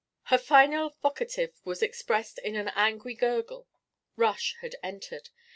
Her final vocative was expressed in an angry gurgle. Rush had entered.